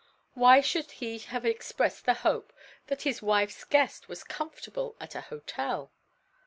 Why should he have expressed the hope that his wife's guest was comfortable at a hotel?